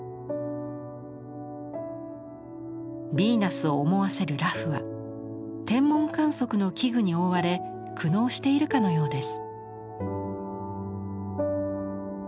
ビーナスを思わせる裸婦は天文観測の器具に覆われ苦悩しているかのようです。